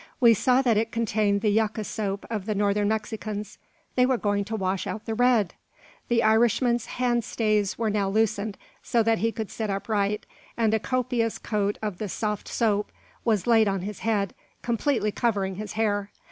We saw that it contained the yucca soap of the Northern Mexicans. They were going to wash out the red! The Irishman's hand stays were now loosened, so that he could sit upright; and a copious coat of the "soft soap" was laid on his head, completely covering his hair.